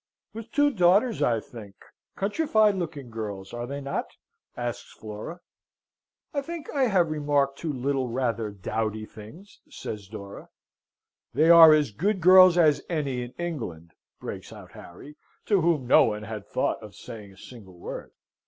"With two daughters, I think countrified looking girls are they not?" asks Flora. "I think I have remarked two little rather dowdy things," says Dora. "They are as good girls as any in England!" breaks out Harry, to whom no one had thought of saying a single word.